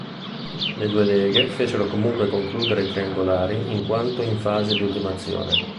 Le due leghe fecero comunque concludere i triangolari in quanto in fase di ultimazione.